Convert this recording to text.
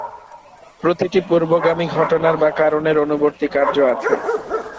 প্রতিটি পূর্বগামী ঘটনার বা কারণের অনুবর্তী কার্য আছে।